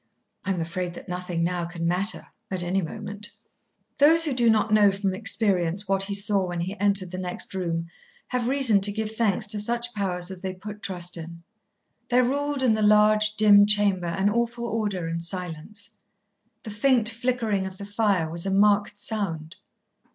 "I am afraid that nothing, now, can matter at any moment." Those who do not know from experience what he saw when he entered the next room have reason to give thanks to such powers as they put trust in. There ruled in the large, dim chamber an awful order and silence. The faint flickering of the fire was a marked sound.